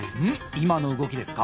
今の動きですか？